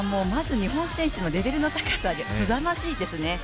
まず日本選手のレベルの高さがすさまじいですね